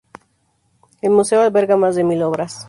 El museo alberga más de mil obras.